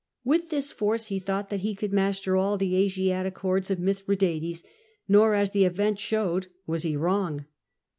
With this force he thought that he could master all the Asiatic hordes of Mithradates ; nor, as the event showed, was he wrong.